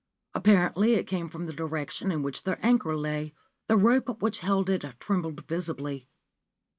Apparently it came from the direction in which their anchor lay ; the rope which held it trembled visibly.